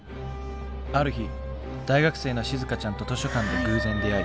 ある日大学生のしずかちゃんと図書館で偶然出会い。